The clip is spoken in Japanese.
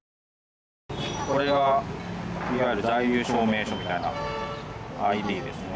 これがいわゆる在留証明書みたいなＩＤですね。